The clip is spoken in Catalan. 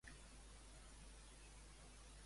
Eren iguals que l'establer?